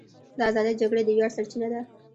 د ازادۍ جګړې د ویاړ سرچینه ده.